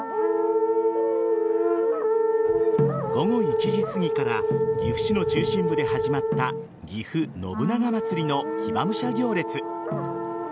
午後１時すぎから岐阜市の中心部で始まったぎふ信長まつりの騎馬武者行列。